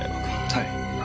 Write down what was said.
はい。